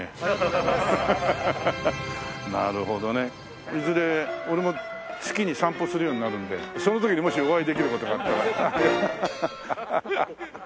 ハハハハなるほどね。いずれ俺も月に散歩するようになるのでその時にもしお会いできる事があったら。